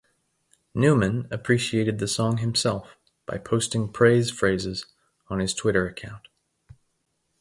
Newman appreciated the song himself by posting praise phrases on his Twitter account.